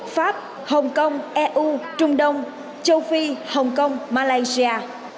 pháp hồng kông eu trung đông châu phi hồng kông malaysia